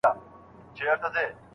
تاریخي پوهه انسان له تېروتنو ژغوري.